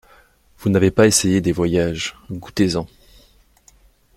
Vous n'avez pas essayé des voyages : goûtez-en.